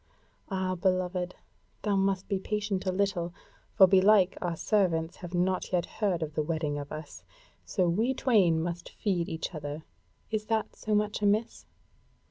Ah, beloved, thou must be patient a little. For belike our servants have not yet heard of the wedding of us. So we twain must feed each the other. Is that so much amiss?"